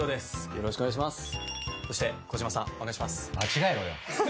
よろしくお願いします。